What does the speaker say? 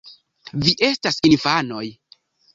Vi estas infanoj.